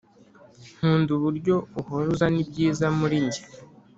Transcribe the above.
nkunda uburyo uhora uzana ibyiza muri njye